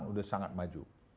sudah sangat maju